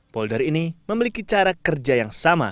polder ini memiliki cara kerja yang sama